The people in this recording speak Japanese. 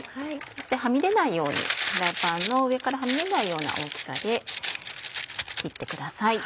そしてフライパンの上からはみ出ないような大きさで切ってください。